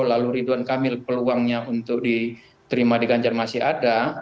lalu ridwan kamil peluangnya untuk diterima di ganjar masih ada